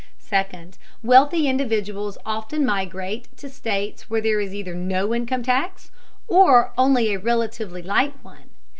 Second, wealthy individuals often migrate to states where there is either no income tax or only a relatively light one.